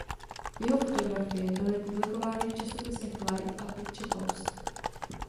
Jeho fotografie byly publikovány v časopisech "Life" a "Picture Post".